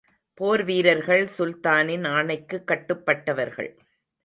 போர் வீரர்கள் சுல்தானின் ஆணைக்குக் கட்டுபட்டவர்கள்.